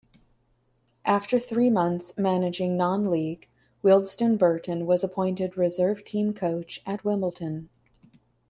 After three months managing non-league Wealdstone Burton was appointed reserve team coach at Wimbledon.